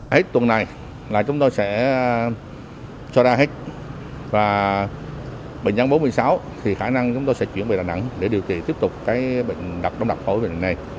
hết tuần này là chúng tôi sẽ cho ra hết và bệnh nhân bốn mươi sáu thì khả năng chúng tôi sẽ chuyển về đà nẵng để điều trị tiếp tục cái bệnh đặc đống đặc phổi bệnh lý nền